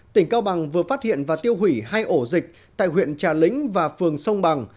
tỉnh cao bằng vừa phát hiện và tiêu hủy hai ổ dịch tại huyện trà lĩnh và phường sông bằng